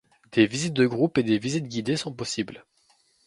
Des visites de groupe et des visites guidées sont possibles.